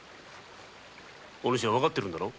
お主は分かってるんだろう？